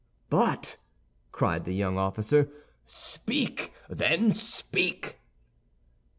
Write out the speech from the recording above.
"But," cried the young officer, "speak, then, speak!"